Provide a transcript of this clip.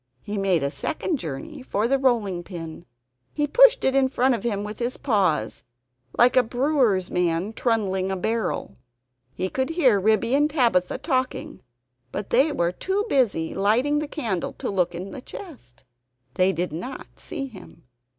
He made a second journey for the rolling pin. He pushed it in front of him with his paws, like a brewer's man trundling a barrel. He could hear Ribby and Tabitha talking, but they were too busy lighting the candle to look into the chest. They did not see him.